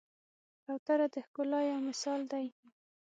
کوتره د ښکلا یو مثال دی.